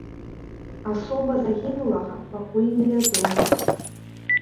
Асоба загінулага пакуль не вядомая.